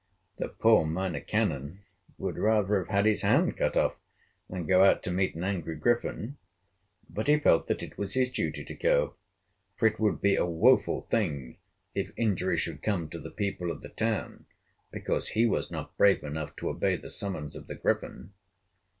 The poor Minor Canon would rather have had his hand cut off than go out to meet an angry griffin; but he felt that it was his duty to go, for it would be a woful thing if injury should come to the people of the town because he was not brave enough to obey the summons of the Griffin.